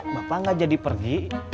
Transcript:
bapak nggak jadi pergi